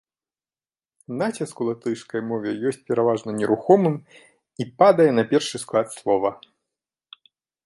Націск у латышскай мове ёсць пераважна нерухомым і падае на першы склад слова.